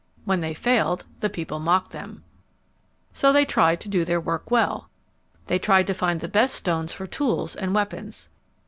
When they failed, the people mocked them. So they tried to do their work well. They tried to find the best stones for tools and weapons.